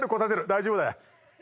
大丈夫だよ。